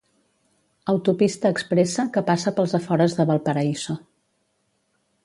Autopista expressa que passa pels afores de Valparaíso.